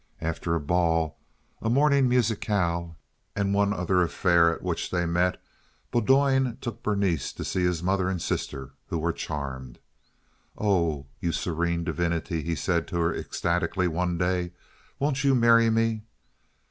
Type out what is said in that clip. After a ball, a morning musicale, and one other affair at which they met Bowdoin took Berenice to see his mother and sister, who were charmed. "Oh, you serene divinity!" he said to her, ecstatically, one day. "Won't you marry me?"